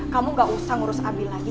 kamu gak usah ngurus abi lagi